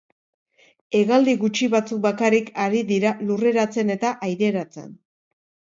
Hegaldi gutxi batzuk bakarrik ari dira lurreratzen eta aireratzen.